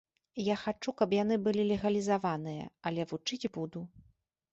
Я хачу, каб яны былі легалізаваныя, але вучыць буду.